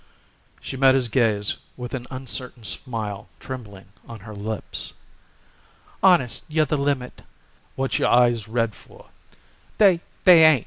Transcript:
She met his gaze with an uncertain smile trembling on her lips. "Honest, you're the limit." "What's your eyes red for?" "They they ain't."